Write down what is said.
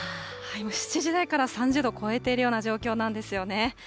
もう７時台から３０度を超えているような状況なんですよね。